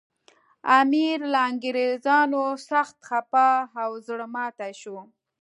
امیر له انګریزانو سخت خپه او زړه ماتي شو.